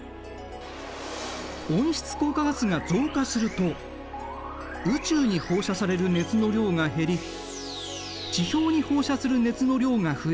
温室効果ガスが増加すると宇宙に放射される熱の量が減り地表に放射する熱の量が増える。